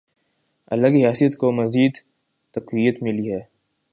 اللہ کی حیثیت کو مزید تقویت ملی ہے۔